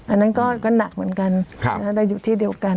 อันนั้นก็หนักเหมือนกันได้อยู่ที่เดียวกัน